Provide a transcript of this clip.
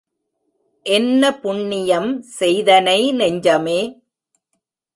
என்ன புண்ணியம் செய்தனை நெஞ்சமே!